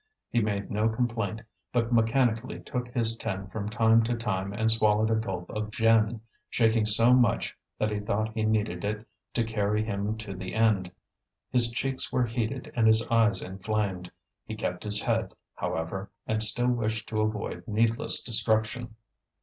He made no complaint, but mechanically took his tin from time to time and swallowed a gulp of gin, shaking so much that he thought he needed it to carry him to the end. His cheeks were heated and his eyes inflamed. He kept his head, however, and still wished to avoid needless destruction.